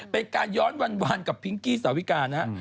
เป็นการย้อนวานกับพิงกี้สาวิกานะฮะ